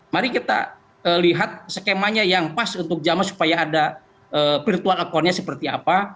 mari kita lihat skemanya yang pas untuk jamaah supaya ada virtual accountnya seperti apa